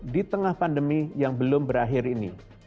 di tengah pandemi yang belum berakhir ini